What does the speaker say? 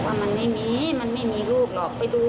ว่ามันไม่มีมันไม่มีลูกหรอกไปดู